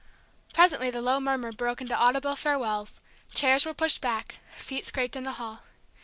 Presently the low murmur broke into audible farewells; chairs were pushed back, feet scraped in the hall.